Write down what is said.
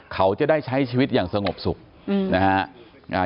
เขาจะได้ใช้ชีวิตอย่างสงบสุขนะฮะ